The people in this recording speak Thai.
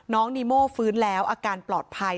นีโม่ฟื้นแล้วอาการปลอดภัย